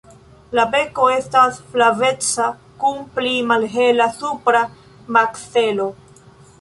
La beko estas flaveca kun pli malhela supra makzelo.